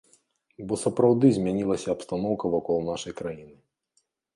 Бо сапраўды змянілася абстаноўка вакол нашай краіны.